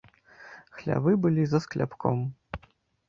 Хлявы былі за скляпком.